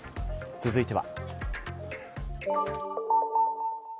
続いては。